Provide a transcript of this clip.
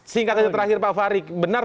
singkatnya terakhir pak fahri benar